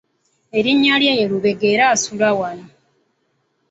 Erinnya lye ye Lubega era asula wano.